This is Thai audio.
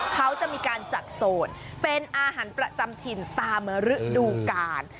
เขาจะมีการจัดโซนเป็นอาหารประจำถิ่นตามฤดูกาล